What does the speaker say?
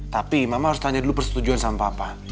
tapi mama harus tanya dulu persetujuan sama apa